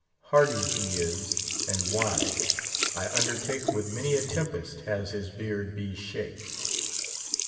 Hardy he is, and wise; I undertake With many a tempest has his beard be shake.